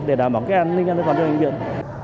để đảm bảo cái an ninh của bệnh viện